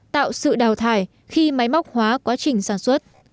tạo sự đào thải khi máy móc hóa quá trình sản xuất